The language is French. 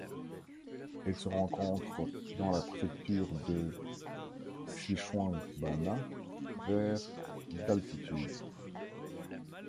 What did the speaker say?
Elle se rencontre dans la préfecture de Xishuangbanna vers d'altitude.